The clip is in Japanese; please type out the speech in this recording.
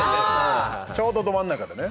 ちょうどど真ん中でね。